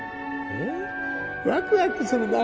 えっワクワクするな